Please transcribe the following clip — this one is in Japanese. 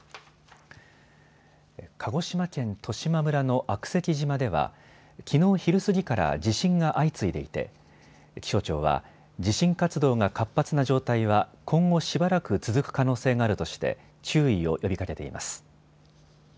鹿児島県十島村の悪石島ではきのう昼過ぎから地震が相次いでいて気象庁は地震活動が活発な状態は今後しばらく続く可能性があるとして注意を呼びかけています。